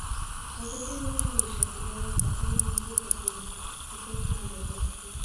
ازادي راډیو د چاپیریال ساتنه موضوع تر پوښښ لاندې راوستې.